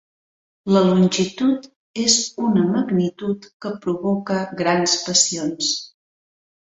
La longitud és una magnitud que provoca grans passions.